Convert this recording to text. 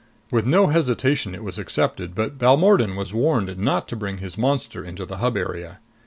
With no hesitation it was accepted, but Balmordan was warned not to bring his monster into the Hub area.